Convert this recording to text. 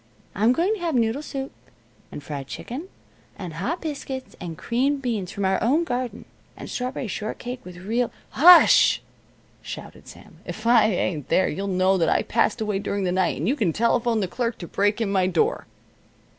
I'm going to have noodle soup, and fried chicken, and hot biscuits, and creamed beans from our own garden, and strawberry shortcake with real " "Hush!" shouted Sam. "If I ain't there, you'll know that I passed away during the night, and you can telephone the clerk to break in my door."